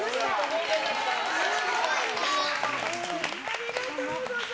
ありがとうございます。